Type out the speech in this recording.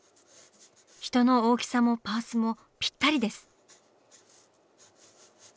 人の大きさもパースもぴったりです。